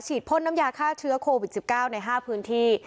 พ่นน้ำยาฆ่าเชื้อโควิด๑๙ใน๕พื้นที่